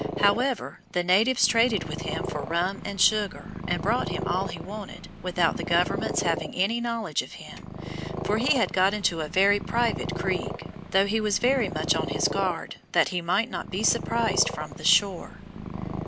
However, the natives traded with him for rum and sugar, and brought him all he wanted, without the government's having any knowledge of him, for he had got into a very private creek; though he was very much on his guard, that he might not be surprised from the shore.